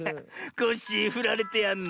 コッシーふられてやんの。